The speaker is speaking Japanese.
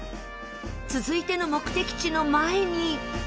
続いての目的地の前に。